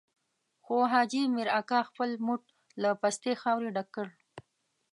خو حاجي مير اکا خپل موټ له پستې خاورې ډک کړ.